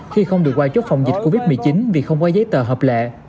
khi không được qua chốt phòng dịch covid một mươi chín vì không có giấy tờ hợp lệ